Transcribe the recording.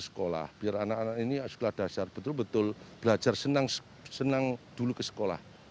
sekolah biar anak anak ini sekolah dasar betul betul belajar senang dulu ke sekolah